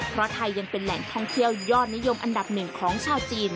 เพราะไทยยังเป็นแหล่งท่องเที่ยวยอดนิยมอันดับหนึ่งของชาวจีน